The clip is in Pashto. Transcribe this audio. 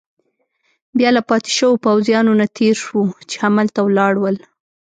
بیا له پاتې شوو پوځیانو نه تېر شوو، چې هملته ولاړ ول.